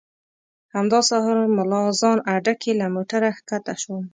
همدا سهار ملا اذان اډه کې له موټره ښکته شوم.